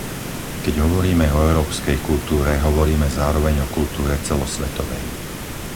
Keď hovoríme o európskej kultúre, hovoríme zároveň o kultúre celosvetovej.